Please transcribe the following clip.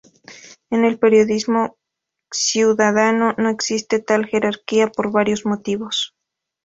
En el periodismo ciudadano no existe tal jerarquía por varios motivos.